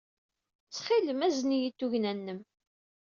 Ttxil-m, azen-iyi-d tugna-nnem.